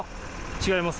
違います。